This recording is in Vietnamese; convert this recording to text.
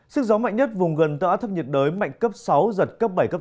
sức gió mạnh nhất vùng gần tâm áp thấp nhiệt đới mạnh cấp sáu giật cấp bảy cấp tám